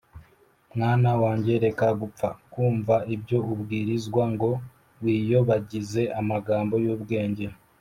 mwana wanjye, reka gupfa kumva ibyo ubwirizwa, ngo wiyobagize amagambo y’ubwenge